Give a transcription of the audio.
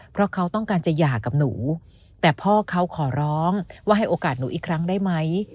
เพราะเขาต้องการจะหย่ากับหนูแต่พ่อเขาขอร้องว่าให้โอกาสหนูอีกครั้งได้ไหม